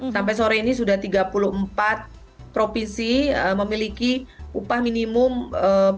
sampai sore ini sudah tiga puluh empat provinsi memiliki upah minimum provinsi untuk tahun dua ribu dua puluh